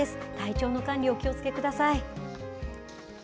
体調の管理、お気をつけください。